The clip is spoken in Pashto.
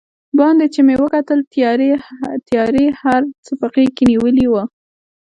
باندې چې مې وکتل، تیارې هر څه په غېږ کې نیولي و.